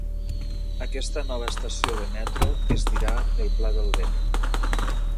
Aquesta nova estació de metro es dirà El Pla del Vent.